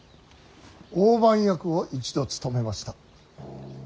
大番役を一度務めました。